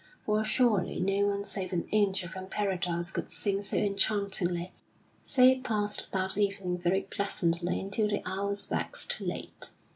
For surely no one save an angel from Paradise could sing so enchantingly." So passed that evening very pleasantly until the hours waxed late.